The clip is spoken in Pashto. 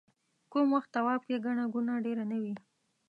کوم وخت طواف کې ګڼه ګوڼه ډېره نه وي.